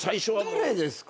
誰ですか？